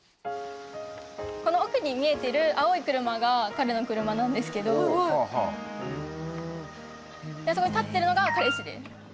この奥に見えてる青い車が彼の車なんですけどあそこに立ってるのが彼氏です